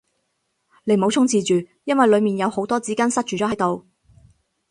你唔好衝廁住，因為裏面有好多紙巾塞住咗喺度